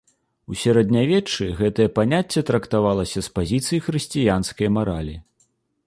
У сярэднявеччы гэтае паняцце трактавалася з пазіцый хрысціянскай маралі.